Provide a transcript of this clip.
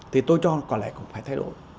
thì tôi cho có lẽ cũng phải thay đổi